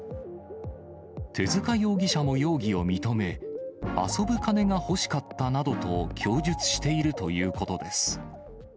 手塚容疑者も容疑を認め、遊ぶ金が欲しかったなどと供述しているということです。